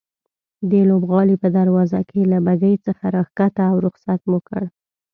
د لوبغالي په دروازه کې له بګۍ څخه راکښته او رخصت مو کړه.